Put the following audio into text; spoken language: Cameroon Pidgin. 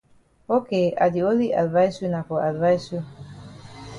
Ok I di only advice you na for advice you.